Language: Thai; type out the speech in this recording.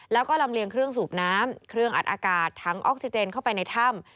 แล้วก็ลำเลียงเครื่องสูบน้ำเครื่องอัดอากาศทั้งออกซิเจนเข้าไปในถ้ำ